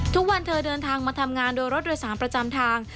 เธอเดินทางมาทำงานโดยรถโดยสารประจำทาง